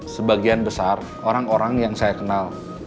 sebagian besar orang orang yang saya kenal